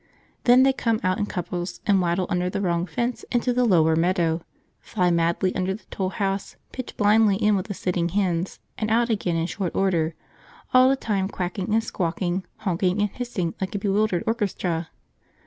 Then they come out in couples and waddle under the wrong fence into the lower meadow, fly madly under the tool house, pitch blindly in with the sitting hens, and out again in short order, all the time quacking and squawking, honking and hissing like a bewildered orchestra.